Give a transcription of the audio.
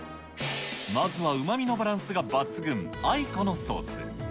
まずはうまみのバランスが抜群、アイコのソース。